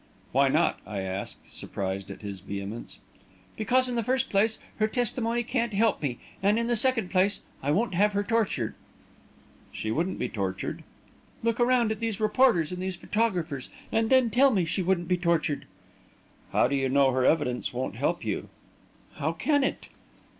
"Why not?" I asked, surprised at his vehemence. "Because, in the first place, her testimony can't help me; and, in the second place, I won't have her tortured." "She wouldn't be tortured." "Look around at these reporters and these photographers, and then tell me she wouldn't be tortured!" "How do you know her evidence won't help you?" "How can it?"